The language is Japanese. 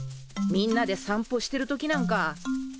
みんなで散歩してるときなんか。